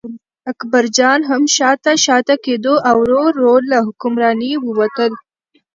اکبرجان هم شاته شاته کېده او ورو ورو له حکمرانۍ ووتل.